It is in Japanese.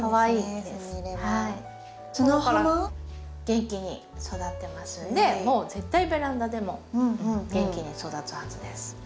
元気に育ってますんでもう絶対ベランダでも元気に育つはずです。